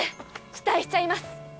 期待しちゃいます。